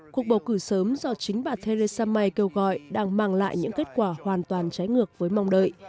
cuộc bầu cử sớm do chính bà theresa may kêu gọi đang mang lại những kết quả hoàn toàn trái ngược với mong đợi